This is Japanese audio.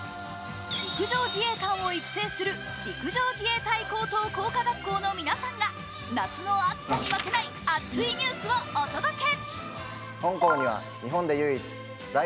陸上自衛官を育成する陸上自衛隊高等工科学校の皆さんが夏の暑さに負けない熱いニュースをお届け！